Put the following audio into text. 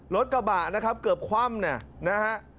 รถกระบะนะครับเกือบคว่ำเนี่ยนะฮะ